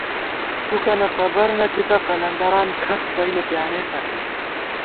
فُکَنہ خبر نہ تھِتہ قلندران کھڅ بئیَہ پیانېتہ نئ